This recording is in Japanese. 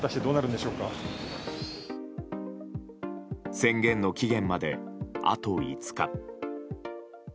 宣言の期限まであと５日。